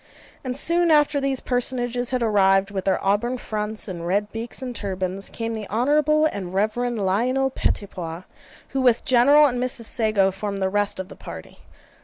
And soon after these personages had arrived, with their auburn fronts and red beaks and turbans, came the Honourable and Reverend Lionel Pettipois, who with General and Mrs. Sago formed the rest of the party.